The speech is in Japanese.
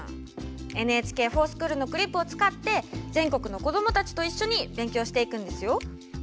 「ＮＨＫｆｏｒＳｃｈｏｏｌ」のクリップを使って全国の子供たちと一緒に勉強していくんですよ！